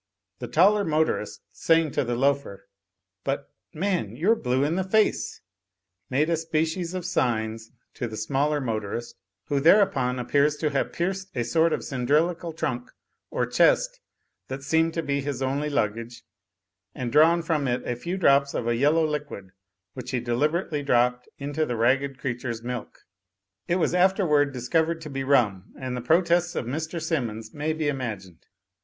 "The taller motorist, saying to the Joafer, 'but, man, you're blue in the face,' made a species of signs to the smaller motorist, who thereupon appears to have pierced a sort of cylindrical trunk or chest that seemed to be his only lug gage, and drawn from it a few drops of a yellow liquid which he deliberately dropped into the ragged creature's milk. It was afterward discovered to be rum, and the pro tests of Mr. Simmons may be imagined.